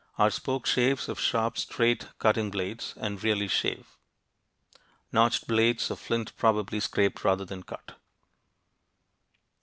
Our spoke shaves have sharp straight cutting blades and really "shave." Notched blades of flint probably scraped rather than cut.